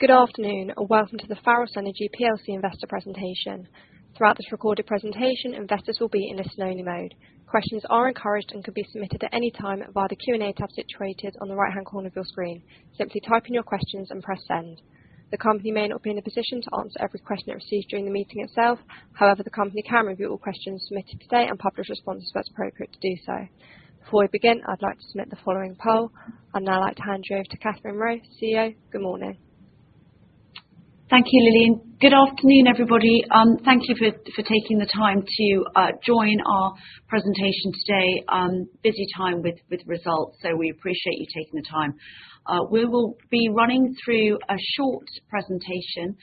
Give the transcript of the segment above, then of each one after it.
Good afternoon, and welcome to the Pharos Energy Plc Investor Presentation. Throughout this recorded presentation, investors will be in listen-only mode. Questions are encouraged and can be submitted at any time via the Q&A tab situated on the right-hand corner of your screen. Simply type in your questions and press send. The company may not be in a position to answer every question it receives during the meeting itself; however, the company can review all questions submitted today and publish responses where it's appropriate to do so. Before we begin, I'd like to submit the following poll. I'd now like to hand you over to Katherine Roe, CEO. Good morning. Thank you, Lily. Good afternoon, everybody. Thank you for taking the time to join our presentation today. Busy time with results, so we appreciate you taking the time. We will be running through a short presentation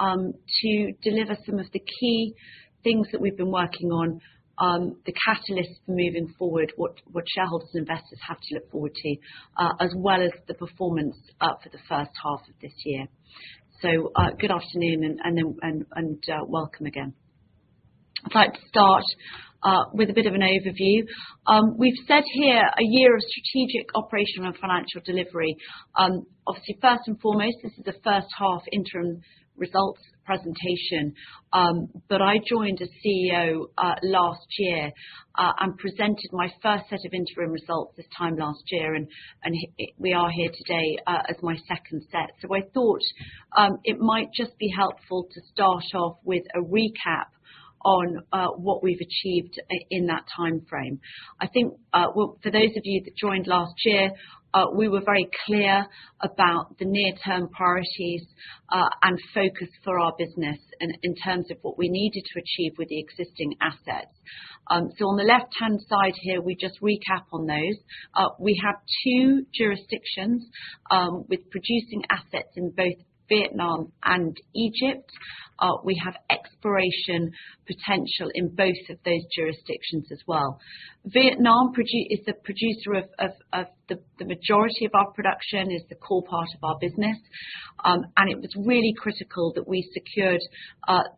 to deliver some of the key things that we've been working on, the catalysts for moving forward, what shareholders and investors have to look forward to, as well as the performance for the first half of this year. So good afternoon, and welcome again. I'd like to start with a bit of an overview. We've said here a year of strategic operational and financial delivery. Obviously, first and foremost, this is the first half interim results presentation, but I joined as CEO last year and presented my first set of interim results this time last year, and we are here today as my second set. So I thought it might just be helpful to start off with a recap on what we've achieved in that time frame. I think for those of you that joined last year, we were very clear about the near-term priorities and focus for our business in terms of what we needed to achieve with the existing assets. So on the left-hand side here, we just recap on those. We have two jurisdictions with producing assets in both Vietnam and Egypt. We have exploration potential in both of those jurisdictions as well. Vietnam is the producer of the majority of our production, is the core part of our business, and it was really critical that we secured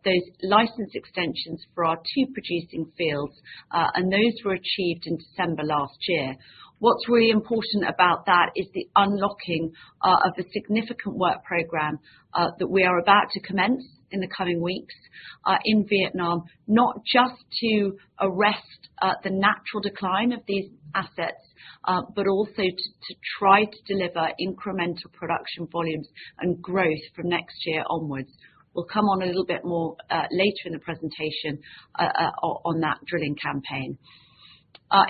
those license extensions for our two producing fields, and those were achieved in December last year. What's really important about that is the unlocking of the significant work program that we are about to commence in the coming weeks in Vietnam, not just to arrest the natural decline of these assets, but also to try to deliver incremental production volumes and growth from next year onward. We'll come on a little bit more later in the presentation on that drilling campaign.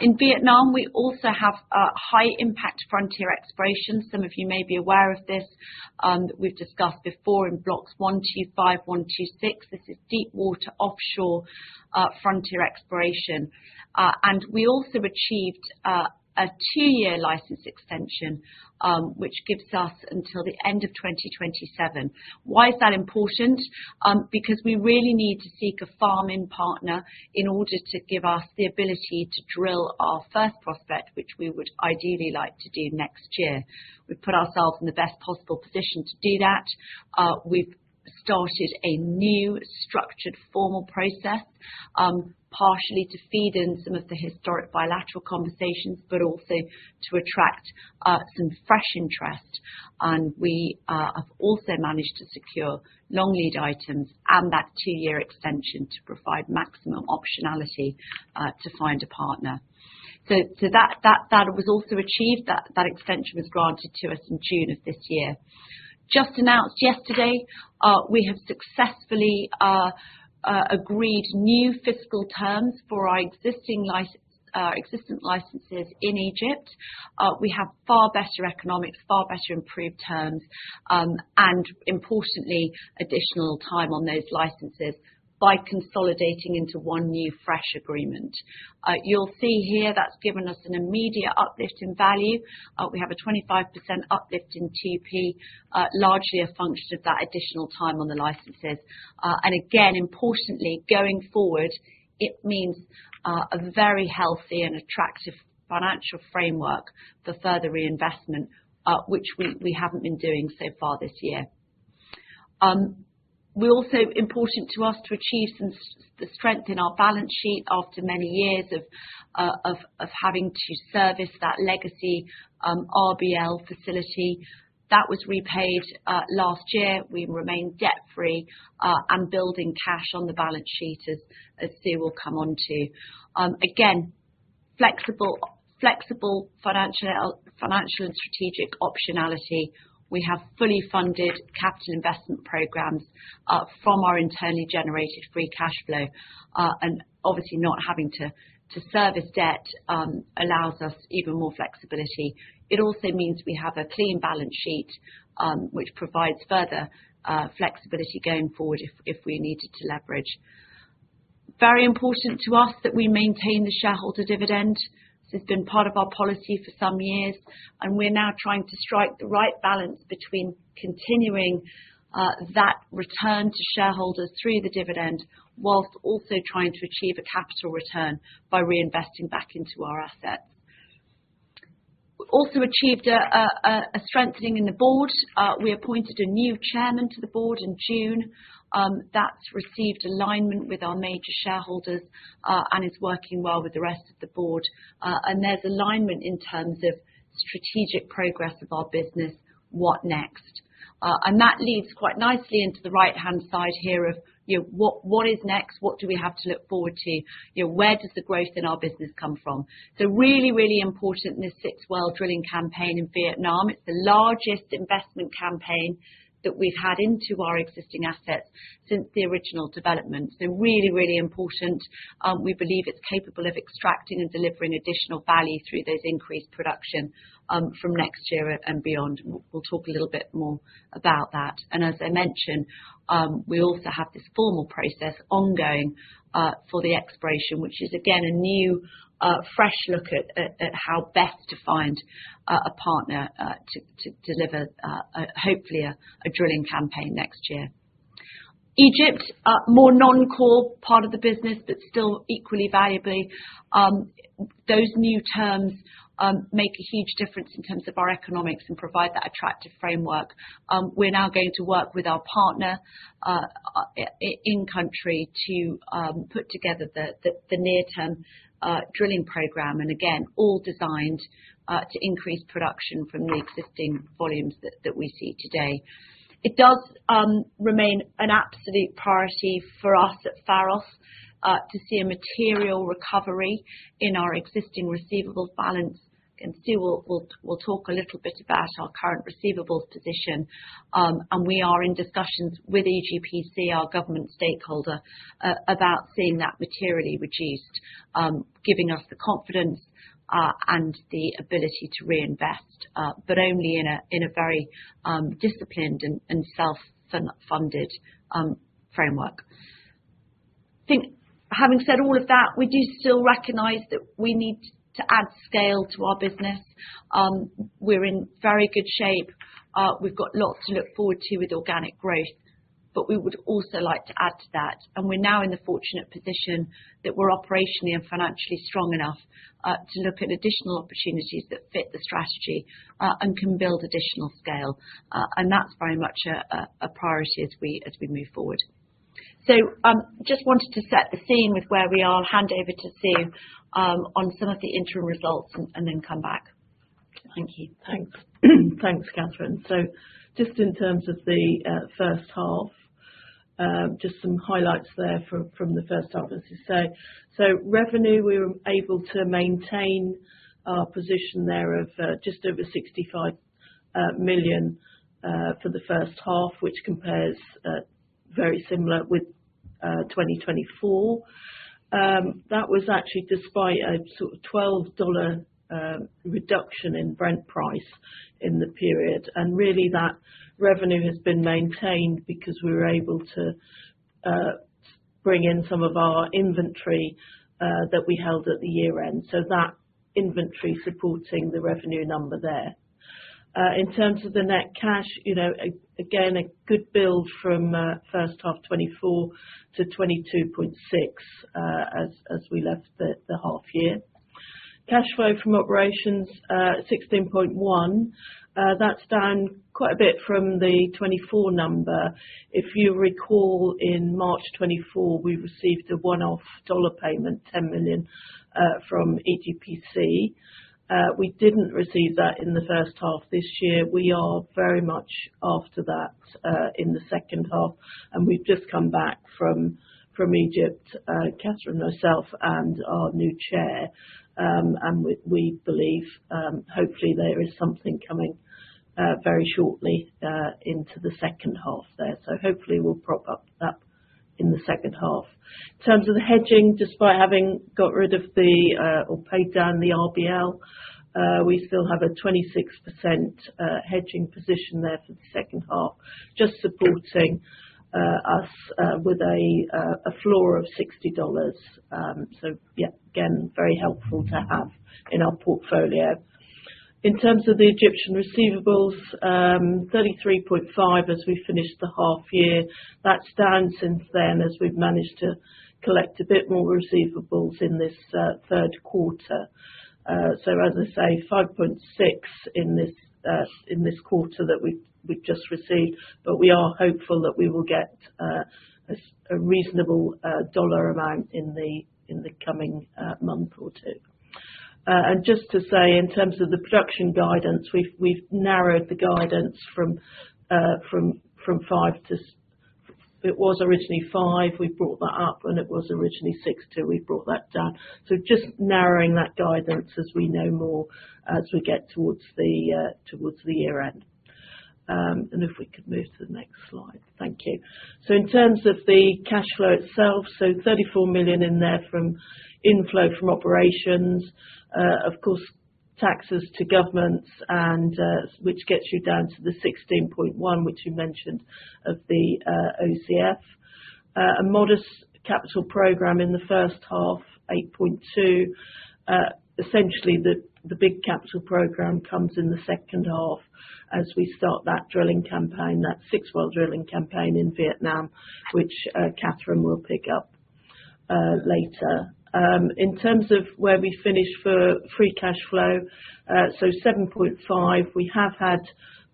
In Vietnam, we also have high-impact frontier exploration. Some of you may be aware of this. We've discussed before in Blocks 125, 126. This is deepwater offshore frontier exploration. And we also achieved a two-year license extension, which gives us until the end of 2027. Why is that important? Because we really need to seek a farm-in partner in order to give us the ability to drill our first prospect, which we would ideally like to do next year. We've put ourselves in the best possible position to do that. We've started a new structured formal process, partially to feed in some of the historic bilateral conversations, but also to attract some fresh interest, and we have also managed to secure long lead items and that two-year extension to provide maximum optionality to find a partner, so that was also achieved. That extension was granted to us in June of this year. Just announced yesterday, we have successfully agreed new fiscal terms for our existing licenses in Egypt. We have far better economics, far better improved terms, and importantly, additional time on those licenses by consolidating into one new fresh agreement. You'll see here that's given us an immediate uplift in value. We have a 25% uplift in 2P, largely a function of that additional time on the licenses. Again, importantly, going forward, it means a very healthy and attractive financial framework for further reinvestment, which we haven't been doing so far this year. It is also important to us to achieve the strength in our balance sheet after many years of having to service that legacy RBL facility. That was repaid last year. We remain debt-free and building cash on the balance sheet, as Sue will come on to. Again, flexible financial and strategic optionality. We have fully funded capital investment programs from our internally generated free cash flow. Obviously, not having to service debt allows us even more flexibility. It also means we have a clean balance sheet, which provides further flexibility going forward if we needed to leverage. It is very important to us that we maintain the shareholder dividend. This has been part of our policy for some years, and we're now trying to strike the right balance between continuing that return to shareholders through the dividend, while also trying to achieve a capital return by reinvesting back into our assets. Also achieved a strengthening in the board. We appointed a new chairman to the board in June. That's achieved alignment with our major shareholders and is working well with the rest of the board, and there's alignment in terms of strategic progress of our business, what next, and that leads quite nicely into the right-hand side here of what is next, what do we have to look forward to, where does the growth in our business come from? So really, really important in this six-well drilling campaign in Vietnam. It's the largest investment campaign that we've had into our existing assets since the original development. So, really, really important. We believe it's capable of extracting and delivering additional value through those increased production from next year and beyond. We'll talk a little bit more about that. And as I mentioned, we also have this formal process ongoing for the exploration, which is again a new fresh look at how best to find a partner to deliver, hopefully, a drilling campaign next year. Egypt, more non-core part of the business, but still equally valuable. Those new terms make a huge difference in terms of our economics and provide that attractive framework. We're now going to work with our partner in country to put together the near-term drilling program. And again, all designed to increase production from the existing volumes that we see today. It does remain an absolute priority for us at Pharos to see a material recovery in our existing receivables balance. Again, Sue will talk a little bit about our current receivables position. And we are in discussions with EGPC, our government stakeholder, about seeing that materially reduced, giving us the confidence and the ability to reinvest, but only in a very disciplined and self-funded framework. Having said all of that, we do still recognize that we need to add scale to our business. We're in very good shape. We've got lots to look forward to with organic growth, but we would also like to add to that. And we're now in the fortunate position that we're operationally and financially strong enough to look at additional opportunities that fit the strategy and can build additional scale. And that's very much a priority as we move forward. So just wanted to set the scene with where we are. Hand over to Sue on some of the interim results and then come back. Thank you. Thanks. Thanks, Katherine. Just in terms of the first half, just some highlights there from the first half. Revenue, we were able to maintain our position there of just over $65 million for the first half, which compares very similar with 2024. That was actually despite a sort of $12 reduction in Brent price in the period. Really, that revenue has been maintained because we were able to bring in some of our inventory that we held at the year-end. So that inventory supporting the revenue number there. In terms of the net cash, again, a good build from first half 2024 to $22.6 million as we left the half year. Cash flow from operations, $16.1 million. That's down quite a bit from the 2024 number. If you recall, in March 2024, we received a one-off $10 million payment from EGPC. We didn't receive that in the first half this year. We are very much after that in the second half, and we've just come back from Egypt, Katherine herself and our new chair, and we believe, hopefully, there is something coming very shortly into the second half there, so hopefully, we'll prop up that in the second half. In terms of the hedging, despite having got rid of, or paid down, the RBL, we still have a 26% hedging position there for the second half, just supporting us with a floor of $60, so yeah, again, very helpful to have in our portfolio. In terms of the Egyptian receivables, 33.5 as we finished the half year. That's down since then as we've managed to collect a bit more receivables in this third quarter. As I say, $5.6 million in this quarter that we've just received, but we are hopeful that we will get a reasonable dollar amount in the coming month or two. Just to say, in terms of the production guidance, we've narrowed the guidance from five to it was originally five. We brought that up, and it was originally six to we brought that down. Just narrowing that guidance as we know more as we get towards the year-end. If we could move to the next slide. Thank you. In terms of the cash flow itself, $34 million in there from inflow from operations. Of course, taxes to governments, which gets you down to the $16.1 million, which you mentioned of the OCF. A modest capital program in the first half, $8.2 million. Essentially, the big capital program comes in the second half as we start that drilling campaign, that six-well drilling campaign in Vietnam, which Katherine will pick up later. In terms of where we finish for free cash flow, so $7.5. We have had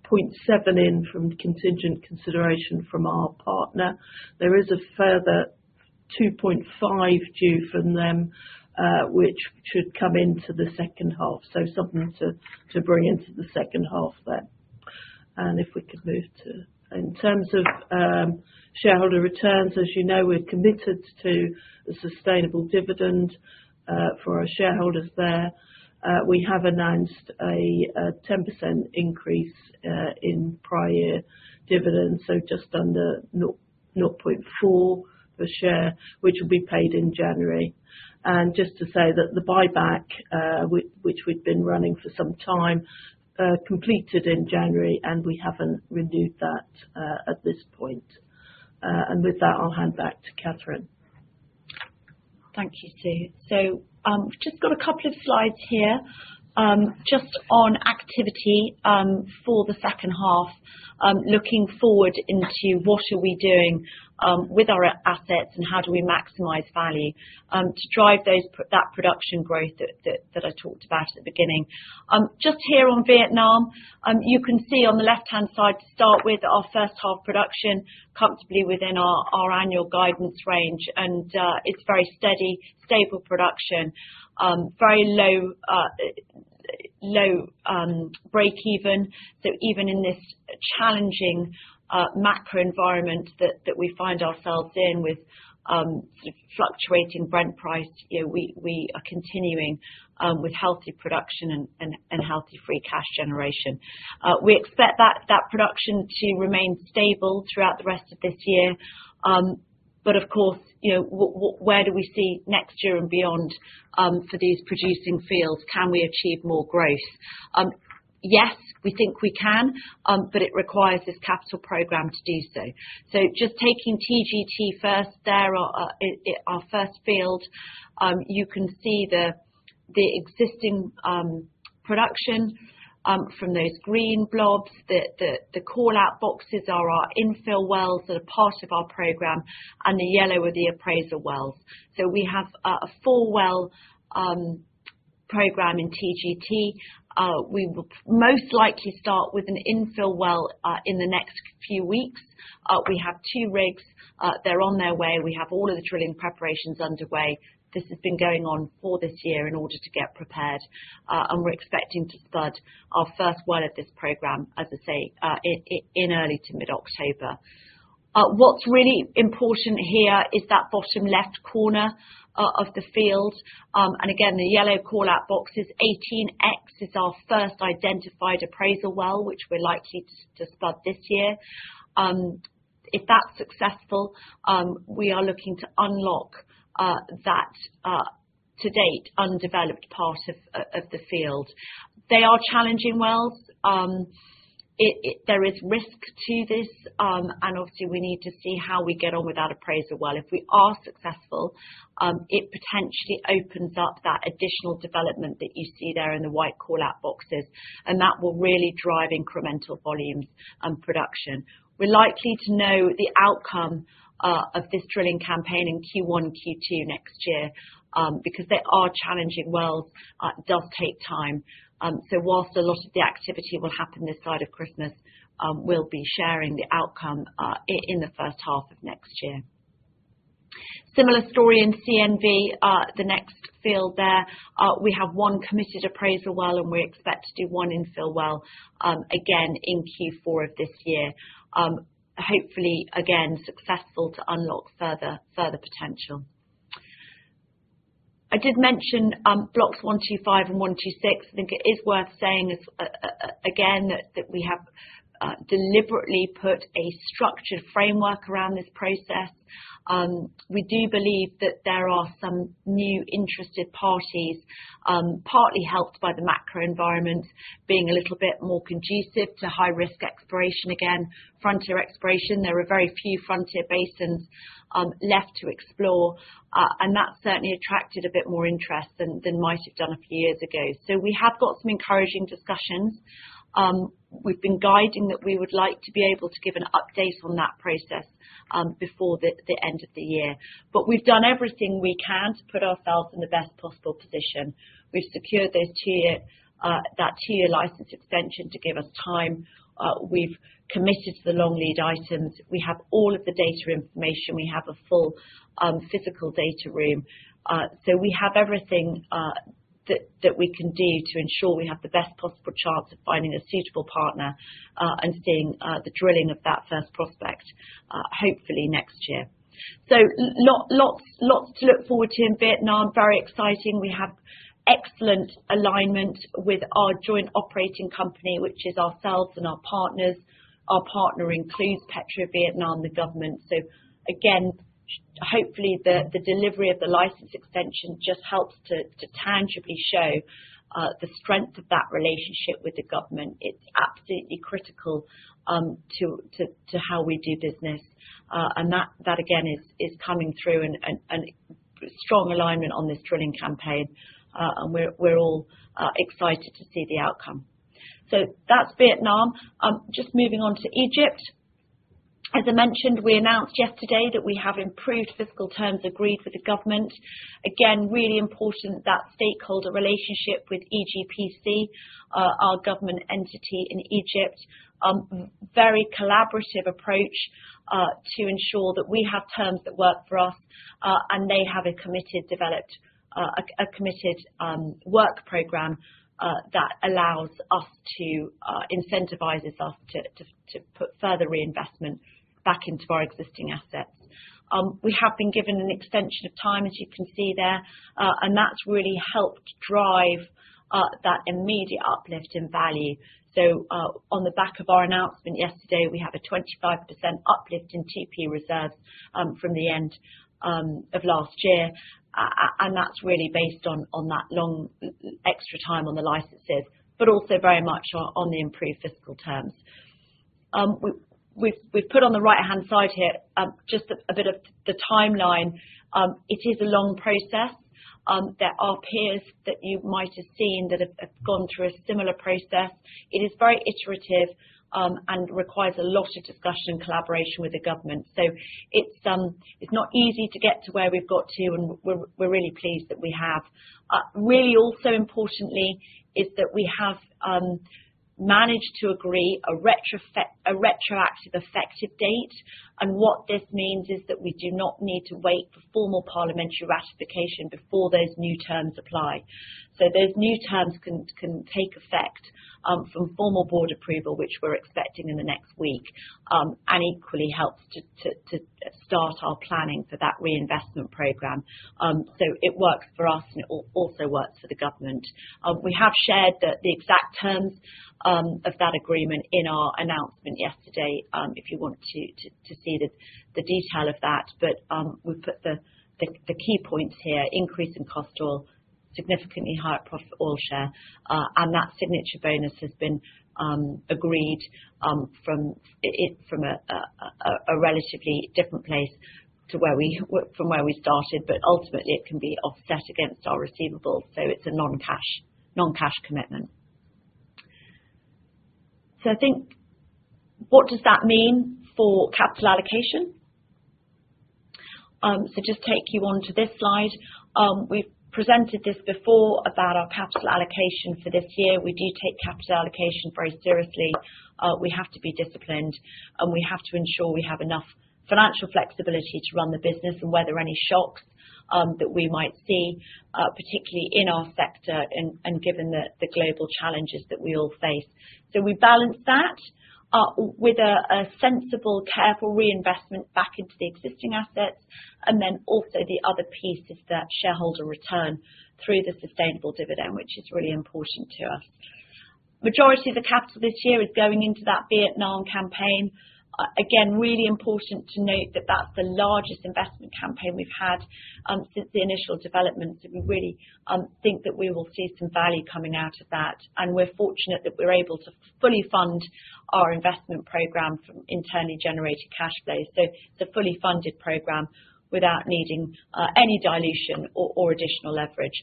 $0.7 in from contingent consideration from our partner. There is a further $2.5 due from them, which should come into the second half. So something to bring into the second half there. If we could move to in terms of shareholder returns, as you know, we're committed to a sustainable dividend for our shareholders there. We have announced a 10% increase in prior year dividend, so just under $0.4 per share, which will be paid in January. Just to say that the buyback, which we've been running for some time, completed in January, and we haven't renewed that at this point. With that, I'll hand back to Katherine. Thank you, Sue. So we've just got a couple of slides here just on activity for the second half, looking forward into what are we doing with our assets and how do we maximize value to drive that production growth that I talked about at the beginning. Just here on Vietnam, you can see on the left-hand side to start with our first half production comfortably within our annual guidance range. And it's very steady, stable production, very low break-even. So even in this challenging macro environment that we find ourselves in with fluctuating Brent price, we are continuing with healthy production and healthy free cash generation. We expect that production to remain stable throughout the rest of this year. But of course, where do we see next year and beyond for these producing fields? Can we achieve more growth? Yes, we think we can, but it requires this capital program to do so. So just taking TGT first, that's our first field. You can see the existing production from those green blobs. The callout boxes are our infill wells that are part of our program, and the yellow are the appraisal wells. So we have a four-well program in TGT. We will most likely start with an infill well in the next few weeks. We have two rigs. They're on their way. We have all of the drilling preparations underway. This has been going on for this year in order to get prepared, and we're expecting to start our first well of this program, as I say, in early to mid-October. What's really important here is that bottom left corner of the field. Again, the yellow callout boxes, 18X is our first identified appraisal well, which we're likely to start this year. If that's successful, we are looking to unlock that to date undeveloped part of the field. They are challenging wells. There is risk to this. Obviously, we need to see how we get on with that appraisal well. If we are successful, it potentially opens up that additional development that you see there in the white callout boxes. That will really drive incremental volumes and production. We're likely to know the outcome of this drilling campaign in Q1, Q2 next year because they are challenging wells. It does take time. Whilst a lot of the activity will happen this side of Christmas, we'll be sharing the outcome in the first half of next year. Similar story in CNV, the next field there. We have one committed appraisal well, and we expect to do one infill well again in Q4 of this year. Hopefully, again, successful to unlock further potential. I did mention blocks 125 and 126. I think it is worth saying again that we have deliberately put a structured framework around this process. We do believe that there are some new interested parties, partly helped by the macro environment being a little bit more conducive to high-risk exploration again, frontier exploration. There are very few frontier basins left to explore. And that's certainly attracted a bit more interest than might have done a few years ago. So we have got some encouraging discussions. We've been guiding that we would like to be able to give an update on that process before the end of the year. But we've done everything we can to put ourselves in the best possible position. We've secured that two-year license extension to give us time. We've committed to the long lead items. We have all of the data information. We have a full physical data room, so we have everything that we can do to ensure we have the best possible chance of finding a suitable partner and seeing the drilling of that first prospect, hopefully, next year, so lots to look forward to in Vietnam. Very exciting. We have excellent alignment with our joint operating company, which is ourselves and our partners. Our partner includes PetroVietnam, the government, so again, hopefully, the delivery of the license extension just helps to tangibly show the strength of that relationship with the government. It's absolutely critical to how we do business, and that, again, is coming through in strong alignment on this drilling campaign, and we're all excited to see the outcome, so that's Vietnam. Just moving on to Egypt. As I mentioned, we announced yesterday that we have improved fiscal terms agreed with the government. Again, really important that stakeholder relationship with EGPC, our government entity in Egypt, very collaborative approach to ensure that we have terms that work for us and they have a committed work program that allows us to incentivize us to put further reinvestment back into our existing assets. We have been given an extension of time, as you can see there, and that's really helped drive that immediate uplift in value, so on the back of our announcement yesterday, we have a 25% uplift in 2P reserves from the end of last year, and that's really based on that long extra time on the licenses, but also very much on the improved fiscal terms. We've put on the right-hand side here just a bit of the timeline. It is a long process. There are peers that you might have seen that have gone through a similar process. It is very iterative and requires a lot of discussion and collaboration with the government, so it's not easy to get to where we've got to, and we're really pleased that we have. Really, also importantly is that we have managed to agree a retroactive effective date, and what this means is that we do not need to wait for formal parliamentary ratification before those new terms apply, so those new terms can take effect from formal board approval, which we're expecting in the next week, and equally helps to start our planning for that reinvestment program, so it works for us, and it also works for the government. We have shared the exact terms of that agreement in our announcement yesterday if you want to see the detail of that. But we've put the key points here: increase in cost, significantly higher profit oil share. And that signature bonus has been agreed from a relatively different place from where we started. But ultimately, it can be offset against our receivables. So it's a non-cash commitment. So I think, what does that mean for capital allocation? So just take you on to this slide. We've presented this before about our capital allocation for this year. We do take capital allocation very seriously. We have to be disciplined, and we have to ensure we have enough financial flexibility to run the business and weather any shocks that we might see, particularly in our sector and given the global challenges that we all face. So we balance that with a sensible, careful reinvestment back into the existing assets. And then also the other piece is that shareholder return through the sustainable dividend, which is really important to us. Majority of the capital this year is going into that Vietnam campaign. Again, really important to note that that's the largest investment campaign we've had since the initial development. So we really think that we will see some value coming out of that. And we're fortunate that we're able to fully fund our investment program from internally generated cash flows. So it's a fully funded program without needing any dilution or additional leverage.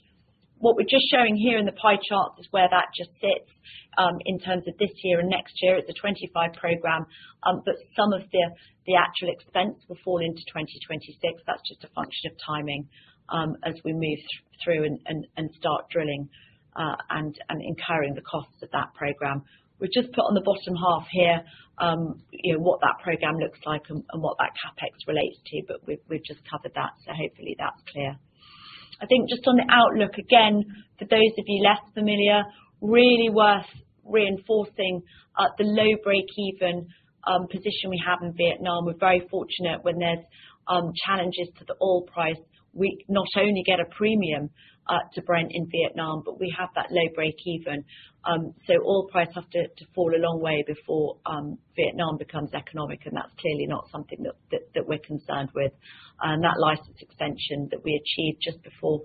What we're just showing here in the pie charts is where that just sits in terms of this year and next year. It's a 2025 program. But some of the actual expense will fall into 2026. That's just a function of timing as we move through and start drilling and incurring the costs of that program. We've just put on the bottom half here what that program looks like and what that CapEx relates to. But we've just covered that. So hopefully, that's clear. I think just on the outlook, again, for those of you less familiar, really worth reinforcing the low break-even position we have in Vietnam. We're very fortunate when there's challenges to the oil price. We not only get a premium to Brent in Vietnam, but we have that low break-even. So oil price has to fall a long way before Vietnam becomes economic. And that's clearly not something that we're concerned with. And that license extension that we achieved just before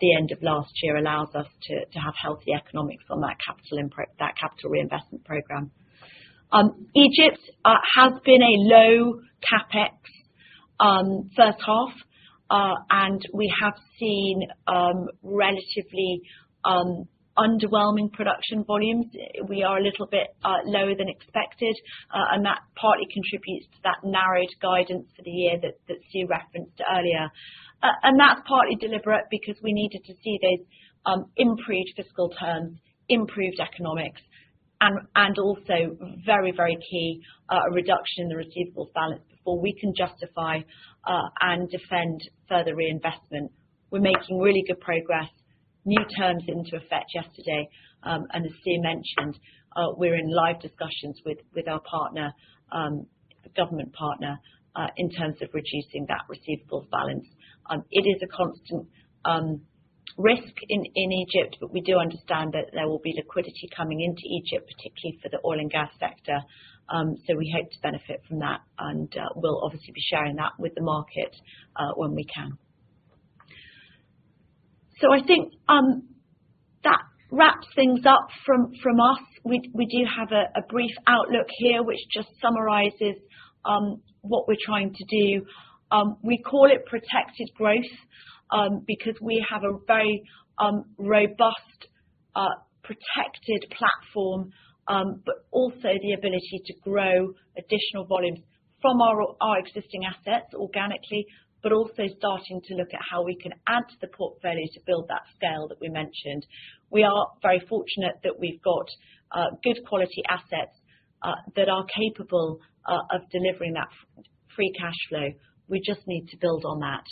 the end of last year allows us to have healthy economics on that capital reinvestment program. Egypt has been a low CapEx first half, and we have seen relatively underwhelming production volumes. We are a little bit lower than expected, and that partly contributes to that narrowed guidance for the year that Sue referenced earlier. That's partly deliberate because we needed to see those improved fiscal terms, improved economics, and also very, very key reduction in the receivables balance before we can justify and defend further reinvestment. We're making really good progress. New terms into effect yesterday, and as Sue mentioned, we're in live discussions with our government partner in terms of reducing that receivables balance. It is a constant risk in Egypt, but we do understand that there will be liquidity coming into Egypt, particularly for the oil and gas sector. So we hope to benefit from that, and we'll obviously be sharing that with the market when we can. So I think that wraps things up from us. We do have a brief outlook here, which just summarizes what we're trying to do. We call it protected growth because we have a very robust protected platform, but also the ability to grow additional volumes from our existing assets organically, but also starting to look at how we can add to the portfolio to build that scale that we mentioned. We are very fortunate that we've got good quality assets that are capable of delivering that free cash flow. We just need to build on that.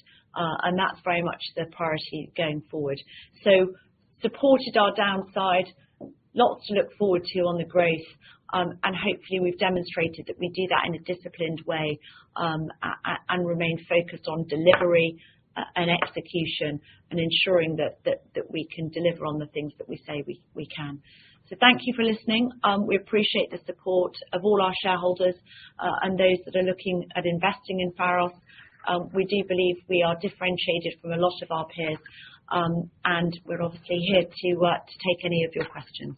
And that's very much the priority going forward. So supported our downside. Lots to look forward to on the growth. And hopefully, we've demonstrated that we do that in a disciplined way and remain focused on delivery and execution and ensuring that we can deliver on the things that we say we can. So thank you for listening. We appreciate the support of all our shareholders and those that are looking at investing in Pharos. We do believe we are differentiated from a lot of our peers. And we're obviously here to take any of your questions.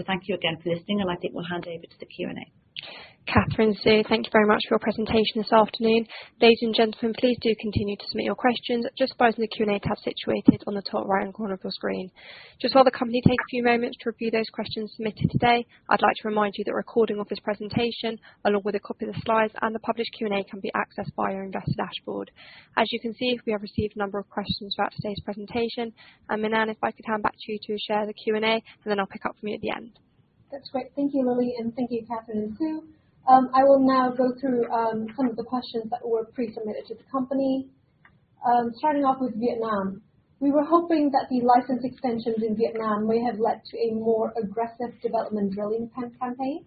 So thank you again for listening. And I think we'll hand over to the Q&A. Katherine , Sue, thank you very much for your presentation this afternoon. Ladies and gentlemen, please do continue to submit your questions. Just by using the Q&A tab situated on the top right-hand corner of your screen. Just while the company takes a few moments to review those questions submitted today, I'd like to remind you that recording of this presentation, along with a copy of the slides and the published Q&A, can be accessed via our investor dashboard. As you can see, we have received a number of questions about today's presentation, and Minh-Anh, if I could hand back to you to share the Q&A, and then I'll pick up from you at the end. That's great. Thank you, Lily, and thank you, Katherine and Sue. I will now go through some of the questions that were pre-submitted to the company. Starting off with Vietnam. We were hoping that the license extensions in Vietnam may have led to a more aggressive development drilling campaign.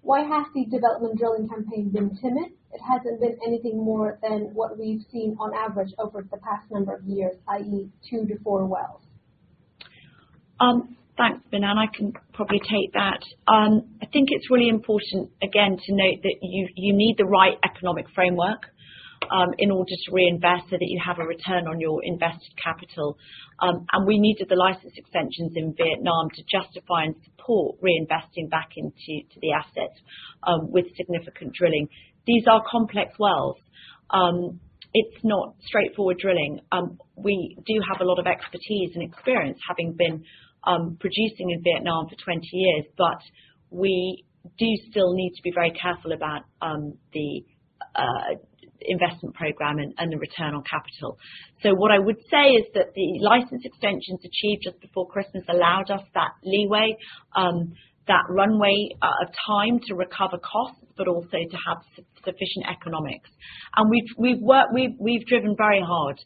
Why has the development drilling campaign been timid? It hasn't been anything more than what we've seen on average over the past number of years, i.e., two to four wells. Thanks, Minh-Anh. I can probably take that. I think it's really important, again, to note that you need the right economic framework in order to reinvest so that you have a return on your invested capital. And we needed the license extensions in Vietnam to justify and support reinvesting back into the assets with significant drilling. These are complex wells. It's not straightforward drilling. We do have a lot of expertise and experience having been producing in Vietnam for 20 years. But we do still need to be very careful about the investment program and the return on capital. So what I would say is that the license extensions achieved just before Christmas allowed us that leeway, that runway of time to recover costs, but also to have sufficient economics. And we've driven very hard.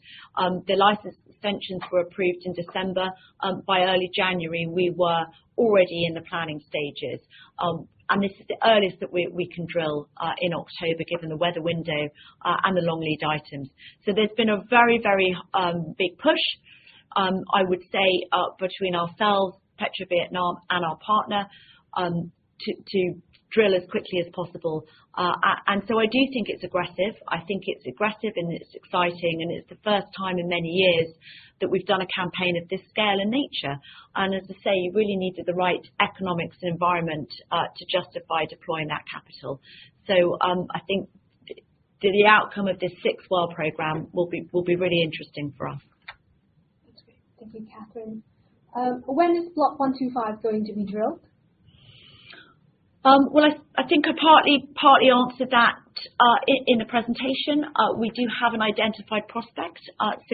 The license extensions were approved in December. By early January, we were already in the planning stages. And this is the earliest that we can drill in October, given the weather window and the long lead items. So there's been a very, very big push, I would say, between ourselves, PetroVietnam, and our partner to drill as quickly as possible. And so I do think it's aggressive. I think it's aggressive, and it's exciting. And it's the first time in many years that we've done a campaign of this scale and nature. And as I say, you really needed the right economics and environment to justify deploying that capital. So I think the outcome of this sixth well program will be really interesting for us. That's great. Thank you, Katherine. When is Block 125 going to be drilled? I think I partly answered that in the presentation. We do have an identified prospect.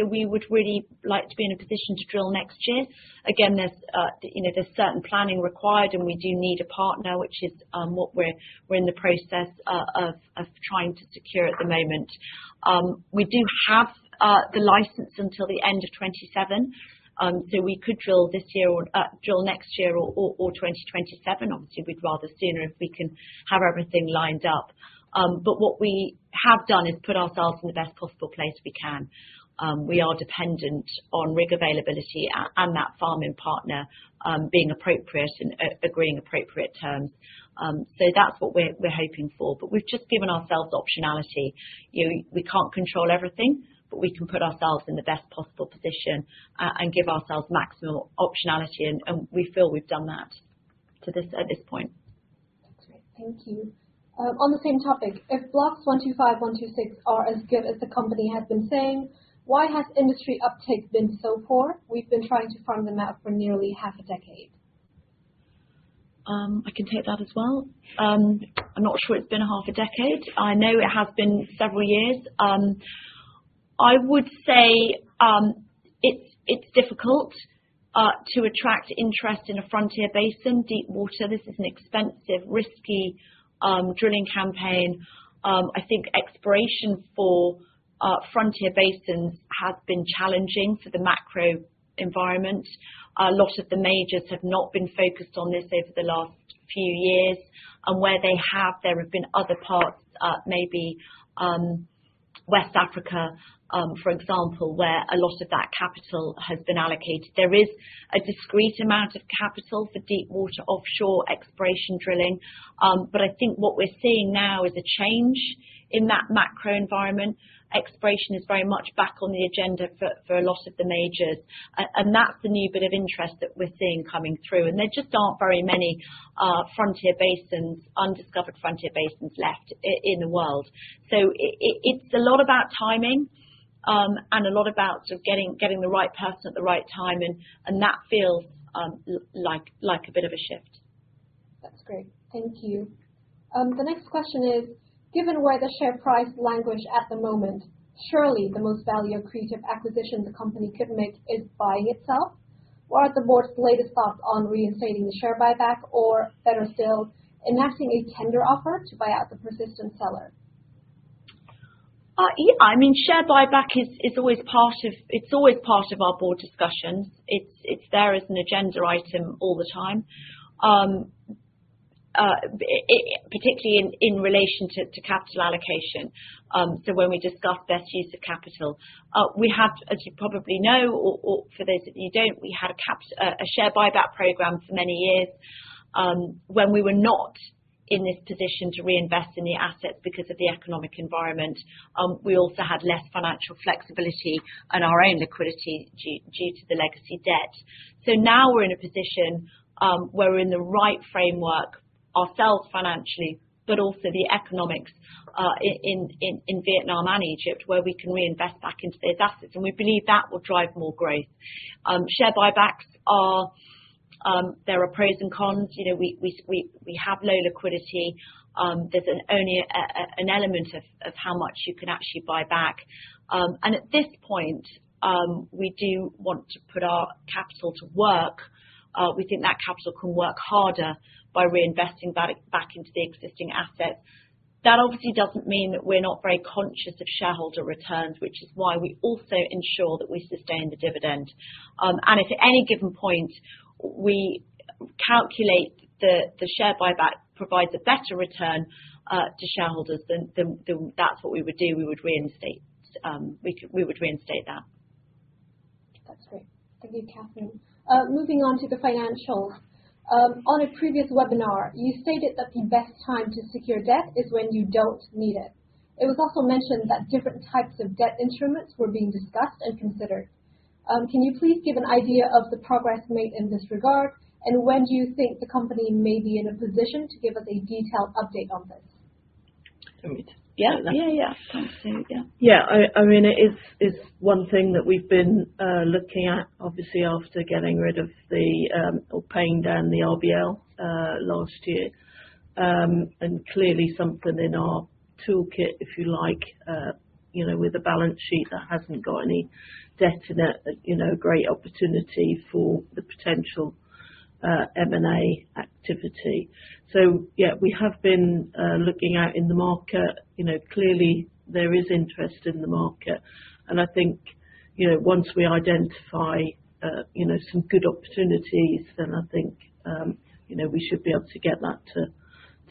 We would really like to be in a position to drill next year. Again, there's certain planning required, and we do need a partner, which is what we're in the process of trying to secure at the moment. We do have the license until the end of 2027. We could drill this year, drill next year, or 2027. Obviously, we'd rather sooner if we can have everything lined up. What we have done is put ourselves in the best possible place we can. We are dependent on rig availability and that farm-in partner being appropriate and agreeing appropriate terms. That's what we're hoping for. We've just given ourselves optionality. We can't control everything, but we can put ourselves in the best possible position and give ourselves maximum optionality. We feel we've done that at this point. That's great. Thank you. On the same topic, if Block 125, 126 are as good as the company has been saying, why has industry uptake been so poor? We've been trying to farm them out for nearly half a decade. I can take that as well. I'm not sure it's been half a decade. I know it has been several years. I would say it's difficult to attract interest in a frontier basin, deep water. This is an expensive, risky drilling campaign. I think exploration for frontier basins has been challenging for the macro environment. A lot of the majors have not been focused on this over the last few years. And where they have, there have been other parts, maybe West Africa, for example, where a lot of that capital has been allocated. There is a discrete amount of capital for deep water offshore exploration drilling. But I think what we're seeing now is a change in that macro environment. Exploration is very much back on the agenda for a lot of the majors. And that's the new bit of interest that we're seeing coming through. And there just aren't very many frontier basins, undiscovered frontier basins left in the world. So it's a lot about timing and a lot about sort of getting the right person at the right time. And that feels like a bit of a shift. That's great. Thank you. The next question is, given where the share price languishes at the moment, surely the most value-creating acquisition the company could make is buying itself. What are the board's latest thoughts on reinstating the share buyback or better still, enacting a tender offer to buy out the persistent seller? Yeah. I mean, share buyback is always part of it. It's always part of our board discussions. It's there as an agenda item all the time, particularly in relation to capital allocation. When we discuss best use of capital, we have, as you probably know, or for those of you who don't, we had a share buyback program for many years. When we were not in this position to reinvest in the assets because of the economic environment, we also had less financial flexibility and our own liquidity due to the legacy debt, so now we're in a position where we're in the right framework ourselves financially, but also the economics in Vietnam and Egypt where we can reinvest back into those assets, and we believe that will drive more growth. Share buybacks, there are pros and cons. We have low liquidity. There's only an element of how much you can actually buy back. And at this point, we do want to put our capital to work. We think that capital can work harder by reinvesting back into the existing assets. That obviously doesn't mean that we're not very conscious of shareholder returns, which is why we also ensure that we sustain the dividend. And if at any given point we calculate the share buyback provides a better return to shareholders, then that's what we would do. We would reinstate that. That's great. Thank you, Katherine. Moving on to the financials. On a previous webinar, you stated that the best time to secure debt is when you don't need it. It was also mentioned that different types of debt instruments were being discussed and considered. Can you please give an idea of the progress made in this regard? And when do you think the company may be in a position to give us a detailed update on this? Yeah. Yeah. I mean, it's one thing that we've been looking at, obviously, after getting rid of or paying down the RBL last year, and clearly something in our toolkit, if you like, with a balance sheet that hasn't got any debt in it, a great opportunity for the potential M&A activity. Yeah, we have been looking out in the market. Clearly, there is interest in the market, and I think once we identify some good opportunities, then I think we should be able to get that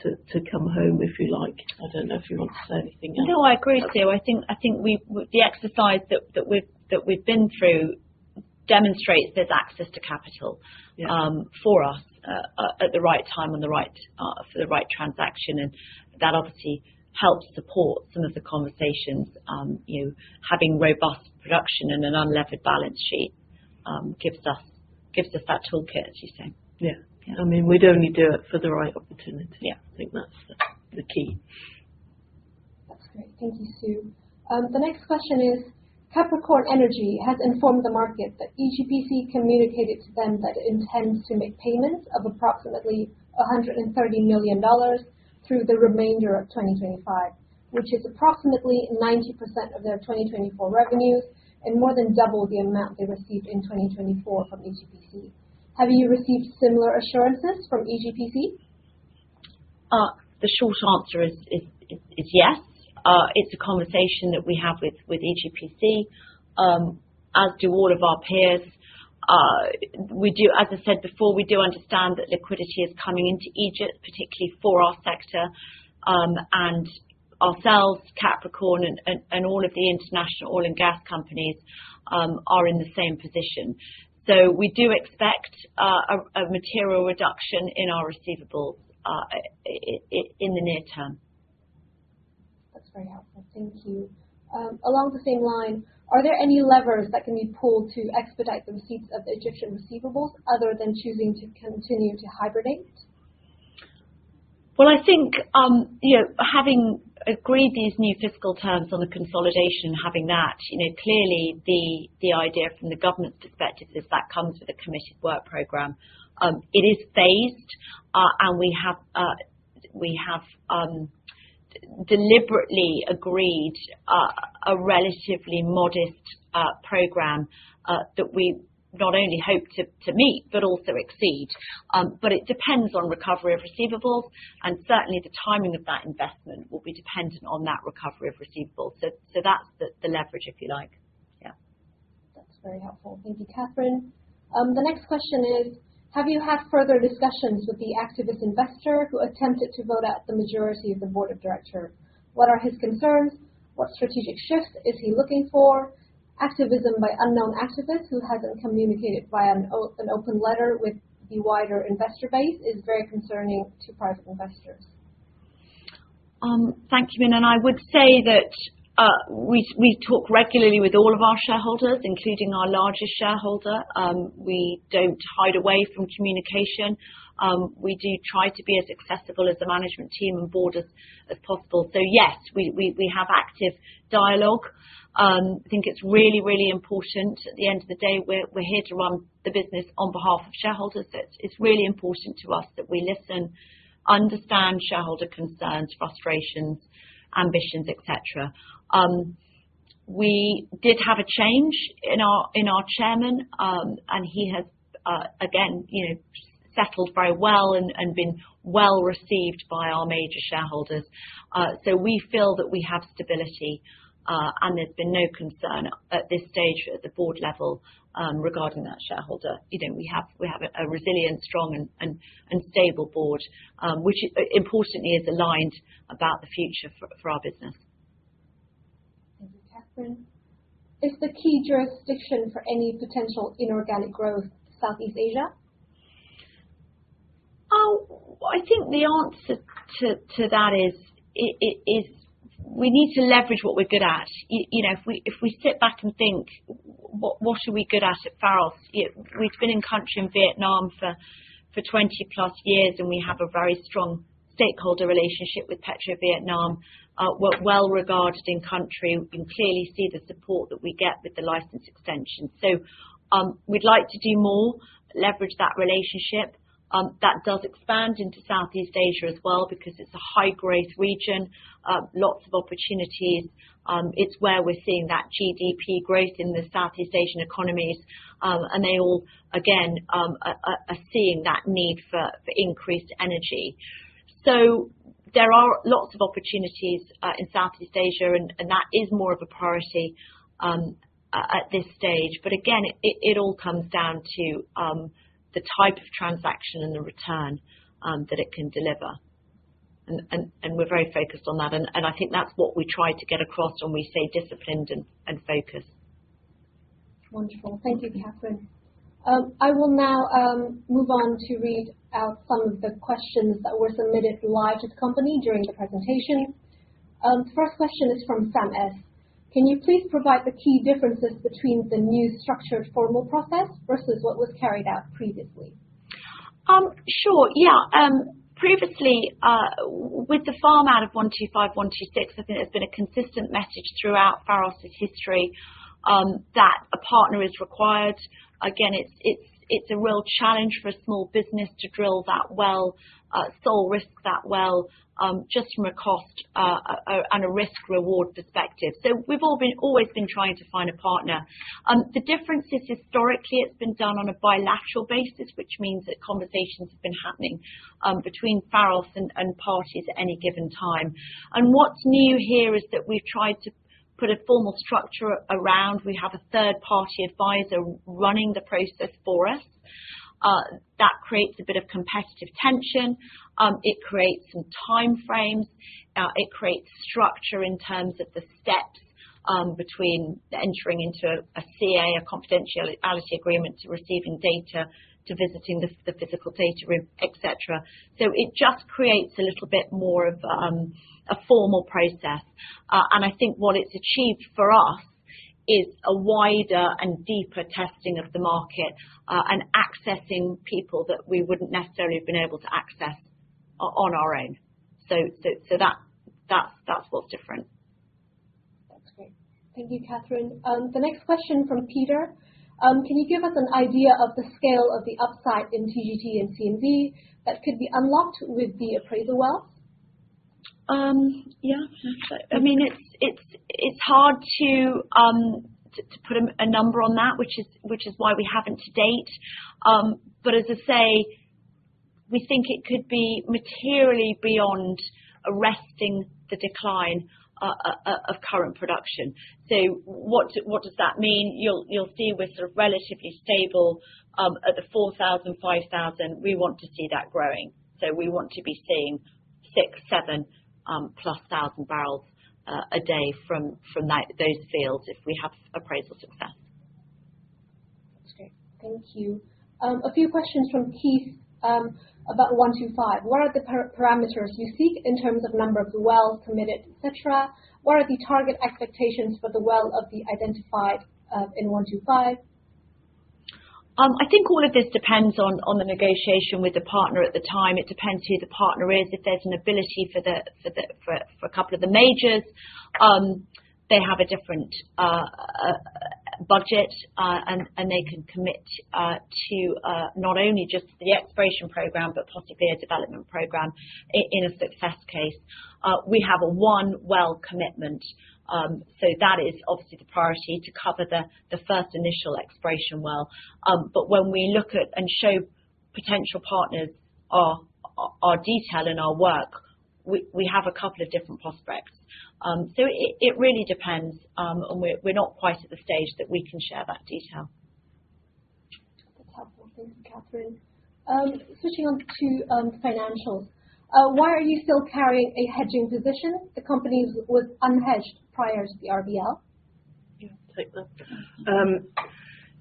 to come home, if you like. I don't know if you want to say anything else. No, I agree, Sue. I think the exercise that we've been through demonstrates there's access to capital for us at the right time for the right transaction. And that obviously helps support some of the conversations. Having robust production and an unlevered balance sheet gives us that toolkit, as you say. Yeah. I mean, we'd only do it for the right opportunity. Yeah. I think that's the key. That's great. Thank you, Sue. The next question is, Capricorn Energy has informed the market that EGPC communicated to them that it intends to make payments of approximately $130 million through the remainder of 2025, which is approximately 90% of their 2024 revenues and more than double the amount they received in 2024 from EGPC. Have you received similar assurances from EGPC? The short answer is yes. It's a conversation that we have with EGPC, as do all of our peers. As I said before, we do understand that liquidity is coming into Egypt, particularly for our sector. And ourselves, Capricorn, and all of the international oil and gas companies are in the same position. So we do expect a material reduction in our receivables in the near term. That's very helpful. Thank you. Along the same line, are there any levers that can be pulled to expedite the receipts of the Egyptian receivables other than choosing to continue to arbitrate? I think having agreed these new fiscal terms on the consolidation and having that, clearly, the idea from the government's perspective is that comes with a committed work program. It is phased. We have deliberately agreed a relatively modest program that we not only hope to meet but also exceed. It depends on recovery of receivables. Certainly, the timing of that investment will be dependent on that recovery of receivables. That's the leverage, if you like. Yeah. That's very helpful. Thank you, Katherine. The next question is, have you had further discussions with the activist investor who attempted to vote out the majority of the board of directors? What are his concerns? What strategic shifts is he looking for? Activism by unknown activists who hasn't communicated via an open letter with the wider investor base is very concerning to private investors. Thank you, Minh-Anh. I would say that we talk regularly with all of our shareholders, including our largest shareholder. We don't hide away from communication. We do try to be as accessible as the management team and board as possible. So yes, we have active dialogue. I think it's really, really important at the end of the day. We're here to run the business on behalf of shareholders. It's really important to us that we listen, understand shareholder concerns, frustrations, ambitions, etc. We did have a change in our chairman and he has, again, settled very well and been well received by our major shareholders. So we feel that we have stability and there's been no concern at this stage at the board level regarding that shareholder. We have a resilient, strong, and stable board, which importantly is aligned about the future for our business. Thank you, Katherine. Is the key jurisdiction for any potential inorganic growth Southeast Asia? I think the answer to that is we need to leverage what we're good at. If we sit back and think, what are we good at at Pharos? We've been in country in Vietnam for 20-plus years, and we have a very strong stakeholder relationship with PetroVietnam, well regarded in country. We can clearly see the support that we get with the license extension. So we'd like to do more, leverage that relationship. That does expand into Southeast Asia as well because it's a high-growth region, lots of opportunities. It's where we're seeing that GDP growth in the Southeast Asian economies, and they all, again, are seeing that need for increased energy, so there are lots of opportunities in Southeast Asia, and that is more of a priority at this stage. But again, it all comes down to the type of transaction and the return that it can deliver. And we're very focused on that. And I think that's what we try to get across when we say disciplined and focused. Wonderful. Thank you, Katherine . I will now move on to read out some of the questions that were submitted live to the company during the presentation. The first question is from Sam S. Can you please provide the key differences between the new structured formal process versus what was carried out previously? Sure. Yeah. Previously, with the farm out of 125, 126, I think there's been a consistent message throughout Pharos' history that a partner is required. Again, it's a real challenge for a small business to drill that well, sole risk that well, just from a cost and a risk-reward perspective. So we've always been trying to find a partner. The difference is historically it's been done on a bilateral basis, which means that conversations have been happening between Pharos and parties at any given time. And what's new here is that we've tried to put a formal structure around. We have a third-party advisor running the process for us. That creates a bit of competitive tension. It creates some time frames. It creates structure in terms of the steps between entering into a CA, a confidentiality agreement to receiving data, to visiting the physical data room, etc. So it just creates a little bit more of a formal process. And I think what it's achieved for us is a wider and deeper testing of the market and accessing people that we wouldn't necessarily have been able to access on our own. So that's what's different. That's great. Thank you, Katherine. The next question from Peter. Can you give us an idea of the scale of the upside in TGT and CNV that could be unlocked with the appraisal wells? Yeah. I mean, it's hard to put a number on that, which is why we haven't to date. But as I say, we think it could be materially beyond arresting the decline of current production. So what does that mean? You'll see we're sort of relatively stable at the 4,000, 5,000. We want to see that growing. So we want to be seeing 6,000, 7,000 plus thousand barrels a day from those fields if we have appraisal success. That's great. Thank you. A few questions from Keith about 125. What are the parameters you seek in terms of number of wells permitted, etc.? What are the target expectations for the wells identified in 125? I think all of this depends on the negotiation with the partner at the time. It depends who the partner is. If there's an ability for a couple of the majors, they have a different budget, and they can commit to not only just the exploration program but possibly a development program in a success case. We have a one well commitment, so that is obviously the priority to cover the first initial exploration well. But when we look at and show potential partners our detail in our work, we have a couple of different prospects. So it really depends, and we're not quite at the stage that we can share that detail. That's helpful. Thank you, Katherine. Switching on to financials. Why are you still carrying a hedging position? The company was unhedged prior to the RBL. Yeah.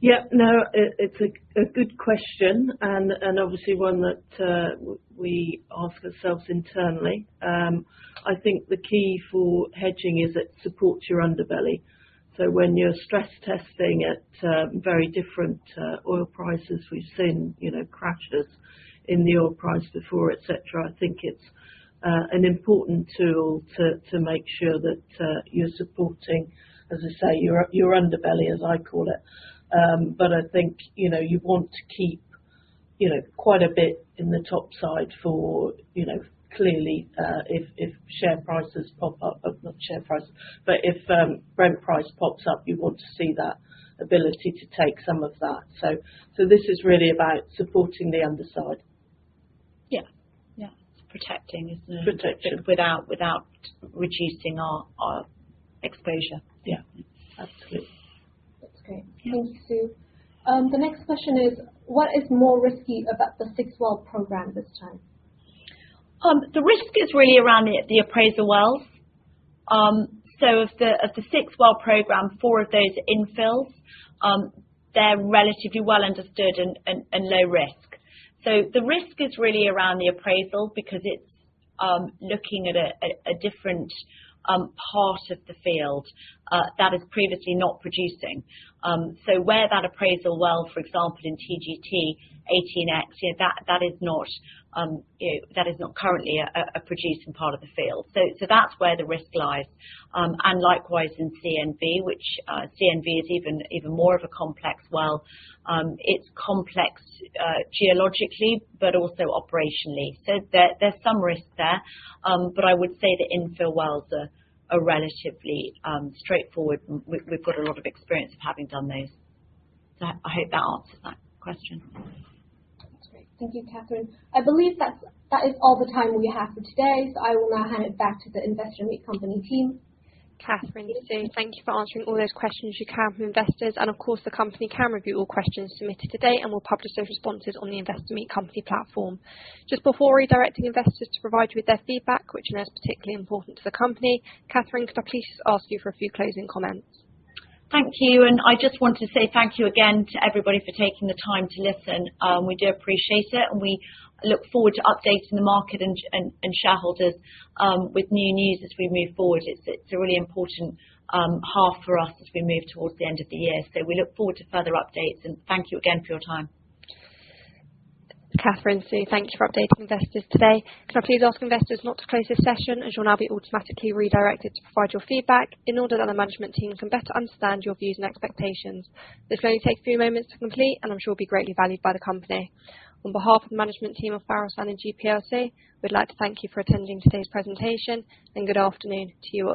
Yeah. No, it's a good question. And obviously, one that we ask ourselves internally. I think the key for hedging is it supports your underbelly. So when you're stress testing at very different oil prices, we've seen crashes in the oil price before, etc. I think it's an important tool to make sure that you're supporting, as I say, your underbelly, as I call it. But I think you want to keep quite a bit in the top side for clearly, if share prices pop up, not share prices, but if Brent price pops up, you want to see that ability to take some of that. So this is really about supporting the underside. Yeah. Yeah. Protecting, isn't it? Protection. Without reducing our exposure. Yeah. Absolutely. That's great. Thank you, Sue. The next question is, what is more risky about the six well program this time? The risk is really around the appraisal wells, so of the six well program, four of those infills, they're relatively well understood and low risk, so the risk is really around the appraisal because it's looking at a different part of the field that is previously not producing, so where that appraisal well, for example, in TGT 18X, that is not currently a producing part of the field, so that's where the risk lies, and likewise in CNV, which CNV is even more of a complex well, it's complex geologically but also operationally, so there's some risk there, but I would say the infill wells are relatively straightforward, we've got a lot of experience of having done those, so I hope that answers that question. That's great. Thank you, Katherine. I believe that is all the time we have for today. So I will now hand it back to the Investor Meet Company team. Katherine, Sue, thank you for answering all those questions you can from investors. And of course, the company can review all questions submitted today and will publish those responses on the Investor Meet Company platform. Just before redirecting investors to provide you with their feedback, which I know is particularly important to the company, Katherine, could I please just ask you for a few closing comments? Thank you. And I just want to say thank you again to everybody for taking the time to listen. We do appreciate it. And we look forward to updating the market and shareholders with new news as we move forward. It's a really important half for us as we move towards the end of the year. So we look forward to further updates. And thank you again for your time. Katherine, Sue, thank you for updating investors today. Could I please ask investors not to close this session as you'll now be automatically redirected to provide your feedback in order that the management team can better understand your views and expectations? This will only take a few moments to complete, and I'm sure it'll be greatly valued by the company. On behalf of the management team of Pharos Energy PLC, we'd like to thank you for attending today's presentation, and good afternoon to you all.